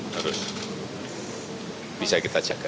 terus bisa kita jaga